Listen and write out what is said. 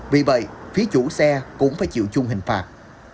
vì vậy phía chủ xe cũng phải chịu chung hình phạt